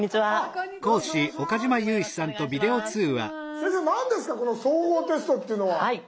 先生何ですかこの「総合テスト」っていうのは？